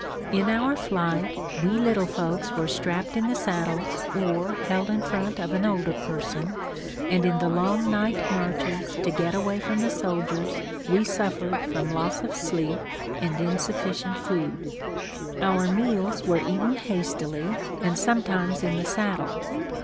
In our flight, we little folks were strapped in the saddles or held in front of an older person, and in the long night marches to get away from the soldiers, we suffered from loss of sleep and insufficient food. Our meals were eaten hastily, and sometimes in the saddle.